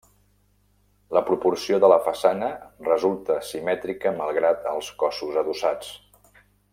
La proporció de la façana resulta simètrica malgrat els cossos adossats.